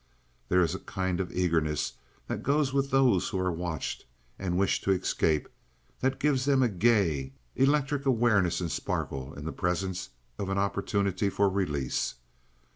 There is a kind of eagerness that goes with those who are watched and wish to escape that gives them a gay, electric awareness and sparkle in the presence of an opportunity for release.